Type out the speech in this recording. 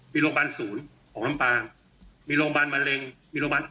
มีโรงพยาบาลศูนย์ของลำปางมีโรงพยาบาลมะเร็งมีโรงพยาบาล